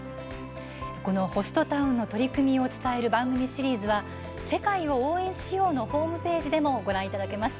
このホストタウンの取り組みを伝える番組シリーズは「世界を応援しよう！」のホームページでもご覧いただけます。